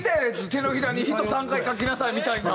手のひらに「人」３回書きなさいみたいな。